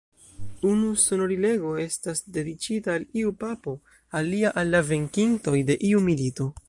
Unu sonorilego estas dediĉita al iu Papo, alia al la venkintoj de iu milito.